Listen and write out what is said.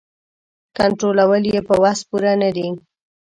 کنټرولول یې په وس پوره نه دي.